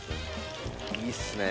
いいっすね。